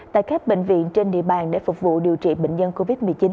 tại các bệnh viện trên địa bàn để phục vụ điều trị bệnh nhân covid một mươi chín